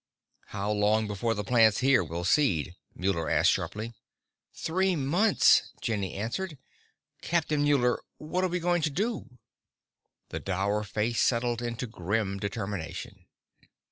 "How long before the plants here will seed?" Muller asked sharply. "Three months," Jenny answered. "Captain Muller, what are we going to do?" The dour face settled into grim determination.